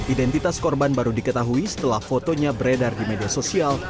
identitas korban baru diketahui setelah fotonya beredar di media sosial